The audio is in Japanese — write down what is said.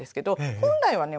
本来はね